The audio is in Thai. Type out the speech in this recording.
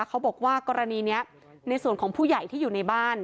เขาบอกว่ากรณีนี้ในส่วนของผู้ใหญ่ที่อยู่ในบ้าน